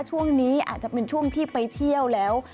ช่วงนี้อาจจะเป็นช่วงที่ไปเที่ยวแล้ว